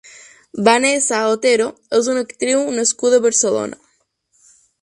Vanessa Otero és una actriu nascuda a Barcelona.